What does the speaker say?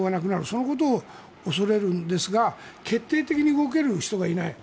そのことを恐れるんですが決定的に動ける人がいない。